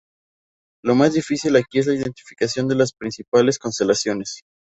Lo más difícil aquí es la identificación de las principales constelaciones.